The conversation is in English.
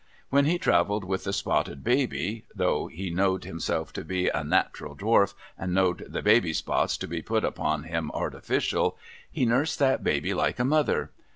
When he travelled with the Spotted Baby — though he knowed himself to be a nat'ral Dwarf, and knowed the Baby's spots to be put upon him artificial, he nursed that Baby like a mother.